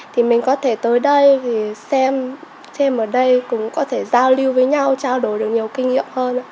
thì mình có thể tới đây thì xem xem ở đây cũng có thể giao lưu với nhau trao đổi được nhiều kinh nghiệm hơn